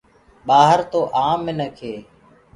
ٻآهر تو آم منک هي